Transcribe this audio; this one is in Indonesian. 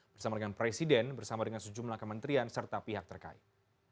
bersama dengan presiden bersama dengan sejumlah kementerian serta pihak terkait